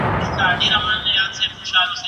دا څانګه عملي بڼه لري.